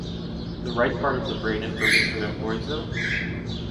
the right part of the brain if from Mr. Ambroiso?